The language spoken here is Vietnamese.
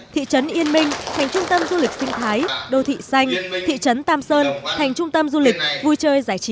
thị trấn yên minh thành trung tâm du lịch sinh thái đô thị xanh thị trấn tam sơn thành trung tâm du lịch vui chơi giải trí